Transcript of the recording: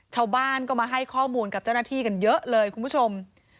ชาวบ้านก็มาให้ข้อมูลกับเจ้าหน้าที่กันเยอะเลยคุณผู้ชม